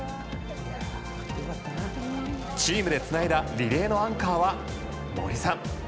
チームでつないだリレーのアンカーは森さん。